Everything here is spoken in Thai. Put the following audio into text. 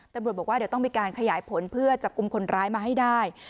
ตำรวจบอกว่าเดี๋ยวต้องมีการขยายผลเพื่อจับกลุ่มคนร้ายมาให้ได้